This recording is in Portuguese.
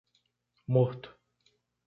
Morto.